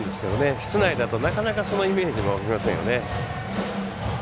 室内だとなかなかそのイメージも湧きませんよね。